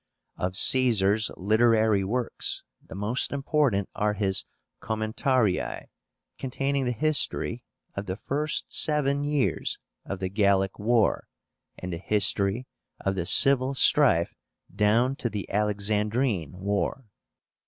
Of CAESAR'S literary works the most important are his Commentarii, containing the history of the first seven years of the Gallic war, and the history of the civil strife down to the Alexandrine war.